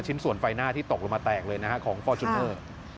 ส่วนไฟหน้าที่ตกลงมาแตกเลยนะฮะของฟอร์จูเนอร์